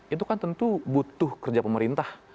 itu kan tentu butuh kerja pemerintah